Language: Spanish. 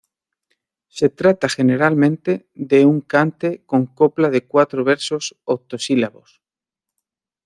Se trata generalmente de un cante con copla de cuatro versos octosílabos.